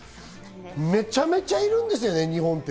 めちゃめちゃいるんですよね、日本って。